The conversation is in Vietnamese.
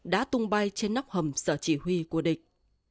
đã tung bay trên nóc hầm sở chỉ huy của địch